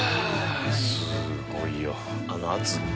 すごいよあの圧。